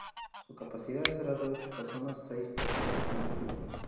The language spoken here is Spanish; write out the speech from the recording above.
Su capacidad será de ocho personas: seis pasajeros y dos pilotos.